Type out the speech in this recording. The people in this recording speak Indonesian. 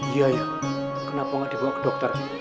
iya iya kenapa gak dibawa ke dokter